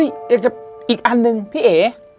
ยังอยากจะให้อีกอันหนึ่งพี่เอ๋